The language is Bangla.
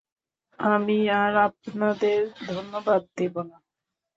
আমি আর আপনাদের ধন্যবাদ দেব না।